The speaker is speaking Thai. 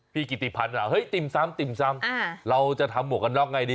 พี่กี่ตีพันติ่มซ่ำติ่มซ่ำเราจะทำหมวกกันน็อกไงดี